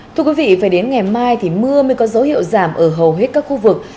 thưa quý vị phải đến ngày mai thì mưa mới có dấu hiệu giảm ở hầu hết các khu vực